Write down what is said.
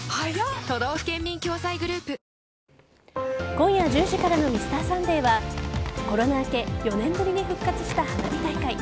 今夜１０時からの「Ｍｒ．サンデー」はコロナ明け４年ぶりに復活した花火大会。